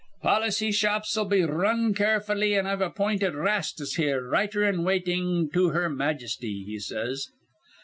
Policy shops'll be r run carefully, an' I've appinted Rastus here Writer in Waitin' to her Majesty,' he says.